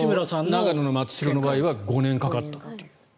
長野の松代の場合は５年かかったという。